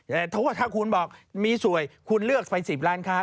แต่โทษถ้าคุณบอกมีสวยคุณเลือกไป๑๐ล้านค้า